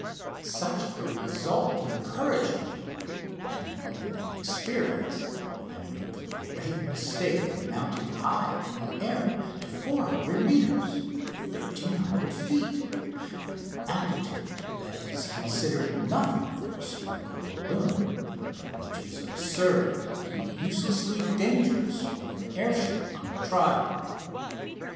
Such a result encouraged me, and, being inexperienced, I made the great mistake of mounting high in the air to 400 metres (1300 feet), an altitude that is considered nothing for a spherical balloon, but which is absurd and uselessly dangerous for an air ship under trial.